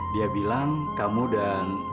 dia bilang kamu dan